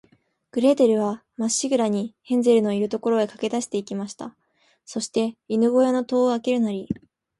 グレーテルは、まっしぐらに、ヘンゼルのいる所へかけだして行きました。そして、犬ごやの戸をあけるなり、